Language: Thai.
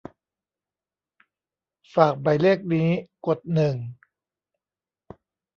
ฝากหมายเลขนี้ กดหนึ่ง